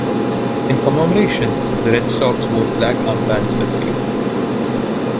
In commemoration, the Red Sox wore black armbands that season.